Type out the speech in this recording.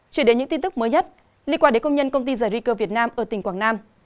chuyển đến những tin tức mới nhất liên quan đến công nhân công ty giải ri cơ việt nam ở tỉnh quảng nam